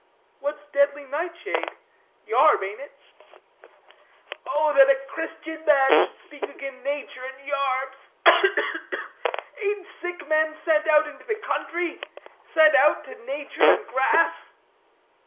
"What's deadly nightshade? Yarb, ain't it?" "Oh, that a Christian man should speak agin natur and yarbs ugh, ugh, ugh! ain't sick men sent out into the country; sent out to natur and grass?"